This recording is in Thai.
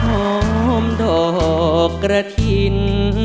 พร้อมเอ่ยพร้อมดอกกระถิ่น